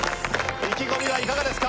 意気込みはいかがですか？